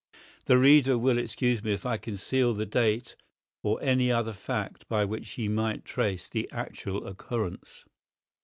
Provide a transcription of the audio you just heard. The reader will excuse me if I conceal the date or any other fact by which he might trace the actual occurrence.